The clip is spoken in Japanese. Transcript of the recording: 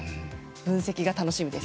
分析が楽しみです。